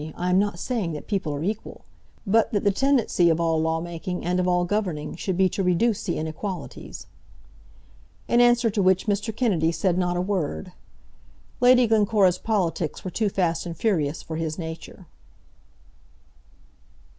I am not saying that people are equal; but that the tendency of all law making and of all governing should be to reduce the inequalities." In answer to which Mr. Kennedy said not a word. Lady Glencora's politics were too fast and furious for his nature.